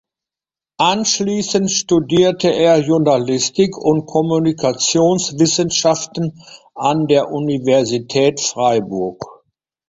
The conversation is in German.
Anschliessend studierte er Journalistik und Kommunikationswissenschaften an der Universität Freiburg.